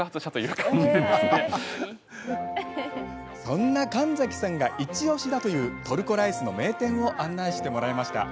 そんな神崎さんがイチおしだというトルコライスの名店を案内してもらいました。